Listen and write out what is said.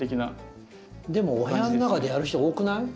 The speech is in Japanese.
でもお部屋の中でやる人が多くない？